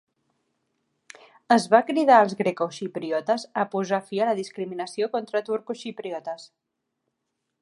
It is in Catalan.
Es va cridar als grecoxipriotes a posar fi a la discriminació contra turcoxipriotes.